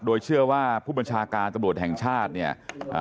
โดยเชื่อว่าผู้บัญชาการตำรวจแห่งชาติเนี่ย